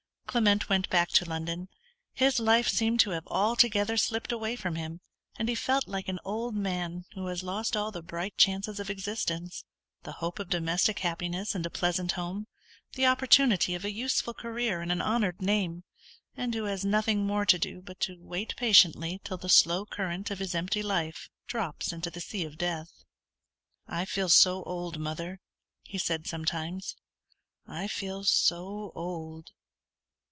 Clement went back to London. His life seemed to have altogether slipped away from him, and he felt like an old man who has lost all the bright chances of existence; the hope of domestic happiness and a pleasant home; the opportunity of a useful career and an honoured name; and who has nothing more to do but to wait patiently till the slow current of his empty life drops into the sea of death. "I feel so old, mother," he said, sometimes; "I feel so old."